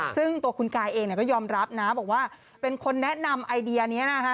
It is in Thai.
ซึ่งตัวคุณกายเองก็ยอมรับนะบอกว่าเป็นคนแนะนำไอเดียนี้นะคะ